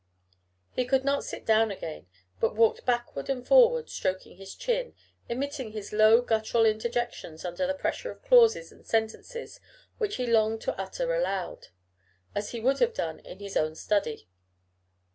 He could not sit down again, but walked backward and forward, stroking his chin, emitting his low guttural interjections under the pressure of clauses and sentences which he longed to utter aloud, as he would have done in his own study.